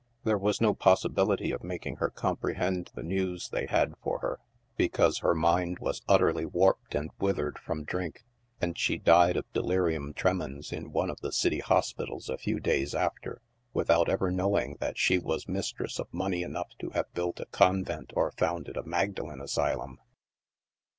There was no possibility of making her comprehend the news they had for her, because her mind was utter ly warped and withered from drink ; and she died of delirium tre mens in one of the city hospitals a few days after, without ever knowing that she was mistress of money enough to have built a convent or founded a Magdalen asylum.